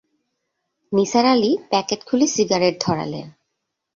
Nisar Ali packet খুলে cigarette ধরালেন।